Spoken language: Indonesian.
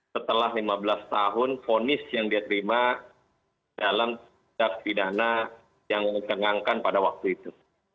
setelah lima belas tahun fonis yang dia terima dalam tindak pidana yang ditengangkan pada waktu itu